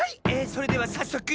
それではさっそく。